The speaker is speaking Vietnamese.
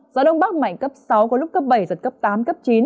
gió đông bắc mạnh cấp sáu có lúc cấp bảy giật cấp tám cấp chín